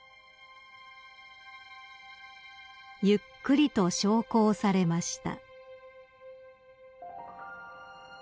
［ゆっくりと焼香されました］